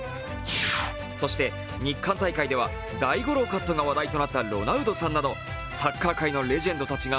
そして日韓大会では大五郎カットが話題となったロナウドさんなど、サッカー界のレジェンドたちが